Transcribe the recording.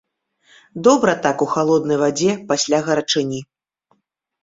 Добра так у халоднай вадзе пасля гарачыні.